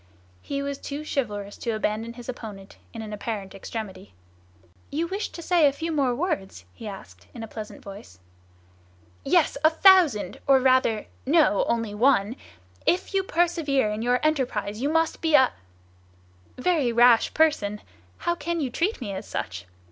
He was too chivalrous to abandon his opponent in an apparent extremity. "You wished to say a few more words?" he asked, in a pleasant voice. "Yes, a thousand; or rather, no, only one! If you persevere in your enterprise, you must be a—" "Very rash person! How can you treat me as such?